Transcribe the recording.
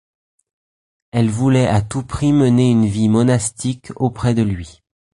Elle voulait à tout prix mener une vie monastique auprès de lui.